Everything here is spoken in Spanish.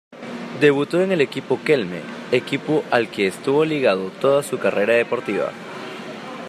Debutó en el equipo Kelme, equipo al que estuvo ligado toda su carrera deportiva.